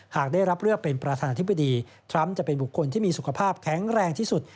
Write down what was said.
หากได้รับเลือกเป็นประธานาธิบดีทรัมป์จะเป็นบุคคลที่มีสุขภาพแข็งแรงที่สุด